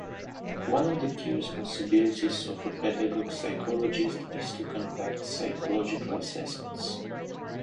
One of the key responsibilities of a pedagogue-psychologist is to conduct psychological assessments.